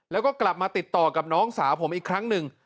แล้วก็กลับมาติดต่อกับน้องสาวผมอีกครั้งหนึ่ง